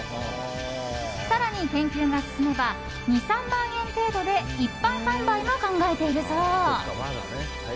更に研究が進めば２３万円程度で一般販売も考えているそう。